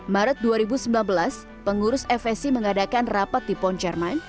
maret dua ribu sembilan belas pengurus fsc mengadakan rapat di pon chairman